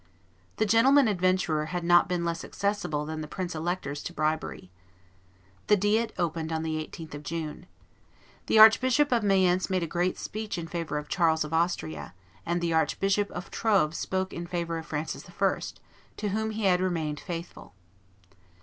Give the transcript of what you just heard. The gentleman adventurer had not been less accessible than the prince electors to bribery. The diet opened on the 18th of June. The Archbishop of Mayence made a great speech in favor of Charles of Austria; and the Archbishop of Troves spoke in favor of Francis I., to whom he had remained faithful.